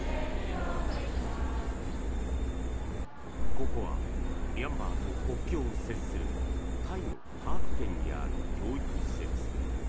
ここはミャンマーと国境を接するタイのターク県にある教育施設。